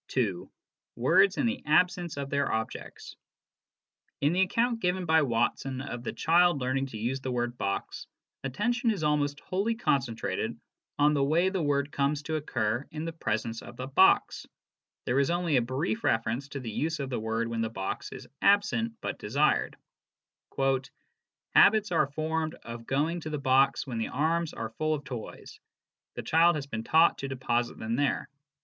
(2) Words in the Absence of their Objects. In the account given by Watson of the child learning to use the word " box," attention is almost wholly concentrated on the way the word comes to occur in the presence of the box. There is only a brief reference to the use of the word when the object is absent but desired :" Habits are formed of going to the box when the arms are full of toys. The child has been taught to deposit them there.